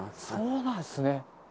そうなんですね。